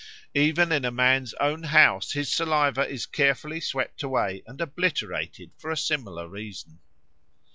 Even in a man's own house his saliva is carefully swept away and obliterated for a similar reason.